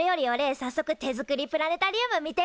さっそく手作りプラネタリウム見てえぞ！